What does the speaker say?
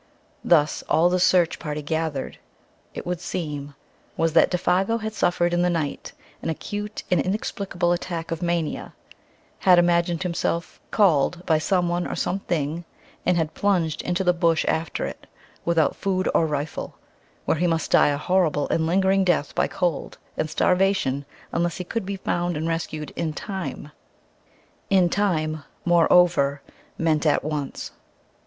Thus, all the search party gathered, it would seem, was that Défago had suffered in the night an acute and inexplicable attack of mania, had imagined himself "called" by someone or something, and had plunged into the bush after it without food or rifle, where he must die a horrible and lingering death by cold and starvation unless he could be found and rescued in time. "In time," moreover, meant at once.